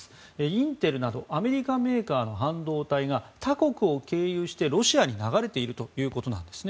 インテルなどアメリカメーカーの半導体が他国を経由してロシアに流れているということです。